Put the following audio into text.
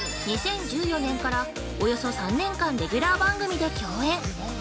２０１４年からおよそ３年間レギュラー番組で共演。